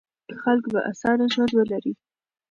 خلک به اسانه ژوند ولري.